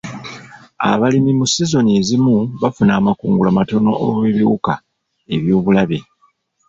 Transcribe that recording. Abalimi mu sizoni ezimu bafuna amakungula matono olw'ebiwuka eby'obulabe.